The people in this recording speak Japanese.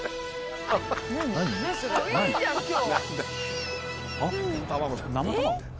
いいじゃん今日。